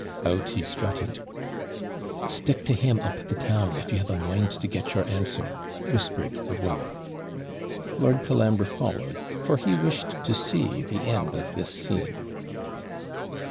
Out he strutted. 'Stick to him up the town, if you have a mind to get your answer,' whispered the woman. Lord Colambre followed, for he wished to see the end of this scene.